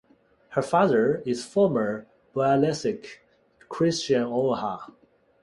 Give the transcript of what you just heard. Her father is former biathlete Kristjan Oja.